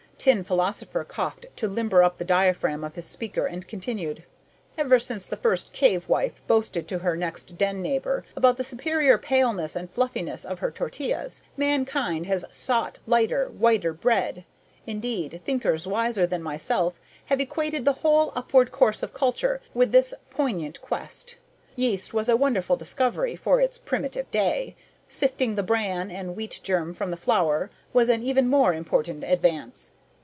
Tin Philosopher coughed to limber up the diaphragm of his speaker and continued: "Ever since the first cave wife boasted to her next den neighbor about the superior paleness and fluffiness of her tortillas, mankind has sought lighter, whiter bread. Indeed, thinkers wiser than myself have equated the whole upward course of culture with this poignant quest. Yeast was a wonderful discovery for its primitive day. Sifting the bran and wheat germ from the flour was an even more important advance.